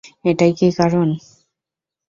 এটাই কি কারন?